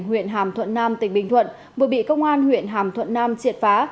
huyện hàm thuận nam tỉnh bình thuận vừa bị công an huyện hàm thuận nam triệt phá